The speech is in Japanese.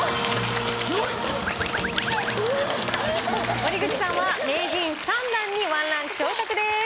森口さんは名人３段に１ランク昇格です。